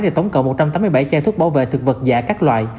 để tổng cộng một trăm tám mươi bảy chai thuốc bảo vệ thực vật giả các loại